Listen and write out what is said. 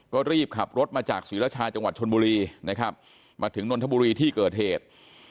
ก็รีบขับรถมาจากศรีรชาจังหวัดชนบุรีนะครับมาถึงนนทบุรีที่เกิดเหตุ